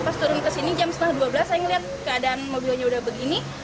pas turun ke sini jam setengah dua belas saya melihat keadaan mobilnya udah begini